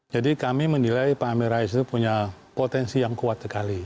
jadi kami menilai pak amin rais itu punya potensi yang kuat sekali